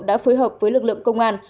đã phối hợp với lực lượng công an